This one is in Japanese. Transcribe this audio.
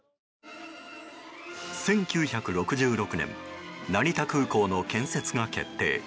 １９９６年成田空港の建設が決定。